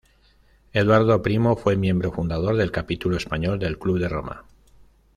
Eduardo Primo fue miembro fundador del Capítulo Español del Club de Roma.